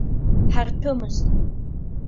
Ҳарҭәымызт.